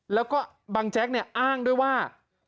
แล้วก็บังแจ๊กเนี่ยอ้างด้วยว่า